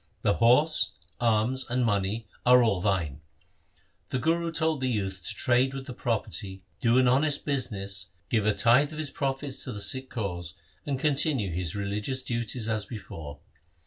The horse, arms, and money are all thine.' The Guru told the youth to trade with the property, do an honest business, give a tithe of his profits to the Sikh cause, and continue his religious duties as before.